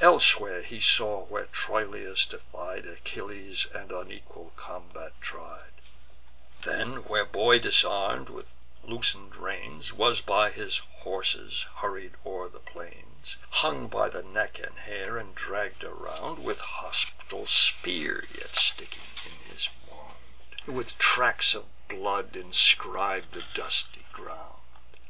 Elsewhere he saw where Troilus defied Achilles, and unequal combat tried; Then, where the boy disarm'd, with loosen'd reins, Was by his horses hurried o'er the plains, Hung by the neck and hair, and dragg'd around: The hostile spear, yet sticking in his wound, With tracks of blood inscrib'd the dusty ground.